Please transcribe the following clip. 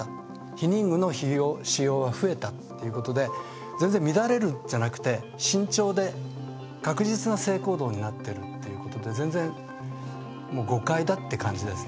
避妊具の使用が増えたということで全然乱れるんじゃなくて慎重で確実な性行動になってるということで全然、誤解だって感じですね。